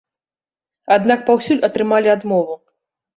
Аднак паўсюль атрымалі адмову.